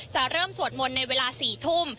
จะเริ่มสวดมนต์ในเวลา๔ทุ่ม